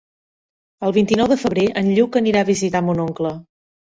El vint-i-nou de febrer en Lluc anirà a visitar mon oncle.